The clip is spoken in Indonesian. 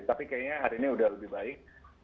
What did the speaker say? tapi kayaknya hari ini udah lebih baik